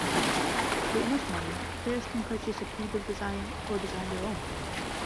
With enough money, players can purchase a pre-built design or design their own.